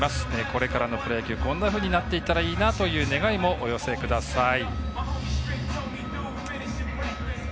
これからのプロ野球こんなふうになっていったらいいなという願いもお寄せください。